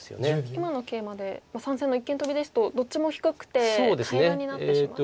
今のケイマで３線の一間トビですとどっちも低くて平らになってしまいますか。